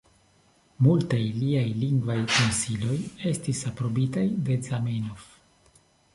Multaj liaj lingvaj konsiloj estis aprobitaj de Zamenhof.